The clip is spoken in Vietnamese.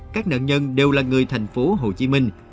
các nạn nhân đều là người thành phố hồ chí minh